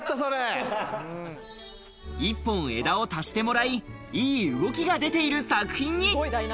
１本枝を足してもらい、いい動きが出ている作品に。